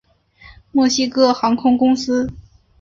墨西哥航空公司。